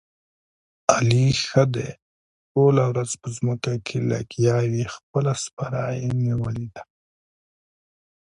علي ښه دې ټوله ورځ په ځمکه کې لګیاوي، خپله سپاره یې نیولې ده.